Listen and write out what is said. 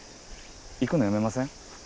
行くのやめません？